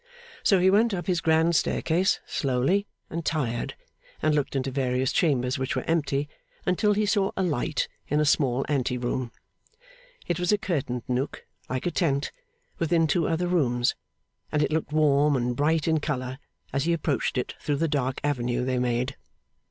So he went up his grand staircase, slowly, and tired, and looked into various chambers which were empty, until he saw a light in a small ante room. It was a curtained nook, like a tent, within two other rooms; and it looked warm and bright in colour, as he approached it through the dark avenue they made.